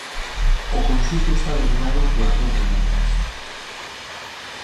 O conxunto está dominado pola torre da homenaxe.